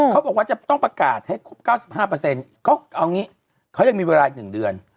เขาบอกว่าจะต้องประกาศให้ครบ๙๕เขาเอางี้เขายังมีเวลาอีก๑เดือน